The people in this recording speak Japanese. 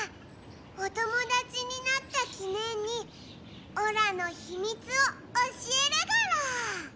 お友だちになったきねんにオラのひみつを教えるゴロ！